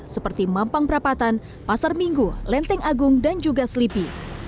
seperti mampang perapatan pasar minggu lenteng agung dan juga selipi